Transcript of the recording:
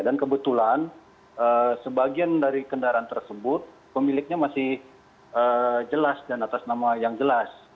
dan kebetulan sebagian dari kendaraan tersebut pemiliknya masih jelas dan atas nama yang jelas